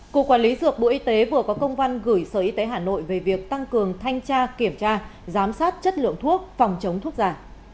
cục quản lý dược bộ y tế vừa có công văn gửi sở y tế hà nội về việc tăng cường thanh tra kiểm tra giám sát chất lượng thuốc phòng chống thuốc giả